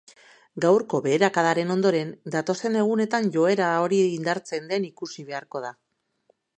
Gaurko beherakadaren ondoren, datozen egunetan joera hori indartzen den ikusi beharko da.